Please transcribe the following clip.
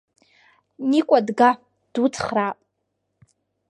Никәа дга, дуцхраап.